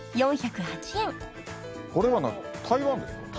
これ台湾ですか？